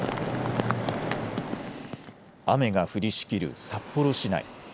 雨が降りしきる札幌市内。